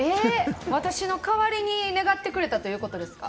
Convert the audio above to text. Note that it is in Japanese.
私の代わりに願ってくれたということですか。